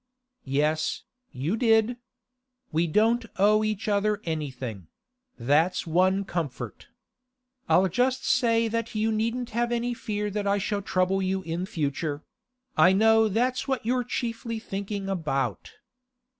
'Yes, you did. We don't owe each other anything—that's one comfort. I'll just say that you needn't have any fear I shall trouble you in future; I know that's what you're chiefly thinking about.